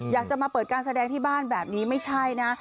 อยากจะมาเปิดการแสดงที่บ้านแบบนี้ไม่ใช่นะ